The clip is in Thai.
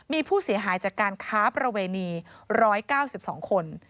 มีผู้เสียหายจากการค้าประเวณี๑๙๒คน